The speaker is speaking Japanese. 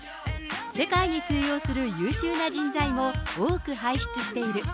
世界に通用する優秀な人材を多く輩出している。